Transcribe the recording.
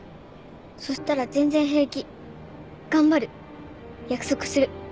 そしたら全然平気頑張る約束する。